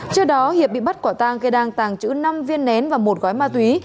trước đó hiệp bị bắt quả tàng gây đăng tàng chữ năm viên nén và một gói ma túy